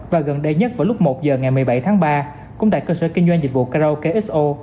và gần đây nhất vào lúc một giờ ngày một mươi bảy tháng ba cũng tại cơ sở kinh doanh dịch vụ karaoke xo